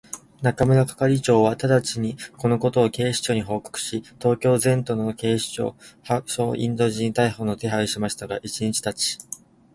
中村係長はただちに、このことを警視庁に報告し、東京全都の警察署、派出所にインド人逮捕の手配をしましたが、一日たち二日たっても、